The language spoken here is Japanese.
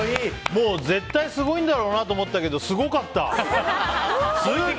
もう絶対すごいんだろうなと思ったけどすごかった。